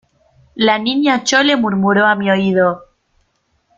la Niña Chole murmuró a mi oído: